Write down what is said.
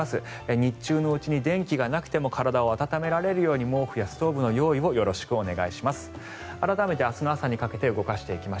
日中のうちに、電気がなくても体を温められるように毛布やストーブの用意をよろしくお願いします。